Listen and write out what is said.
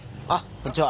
こんにちは。